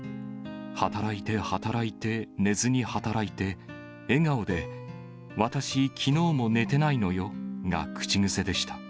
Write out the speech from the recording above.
働いて働いて寝ずに働いて、笑顔で、私、きのうも寝てないのよが口癖でした。